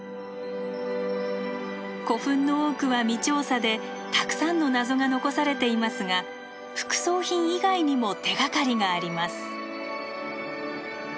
古墳の多くは未調査でたくさんの謎が残されていますが副葬品以外にも手がかりがあります。